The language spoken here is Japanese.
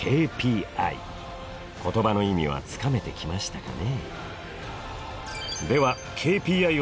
言葉の意味はつかめてきましたかね？